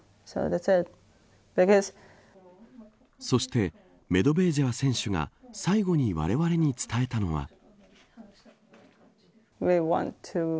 そしてメドベージェワ選手が最後にわれわれに伝えたのは。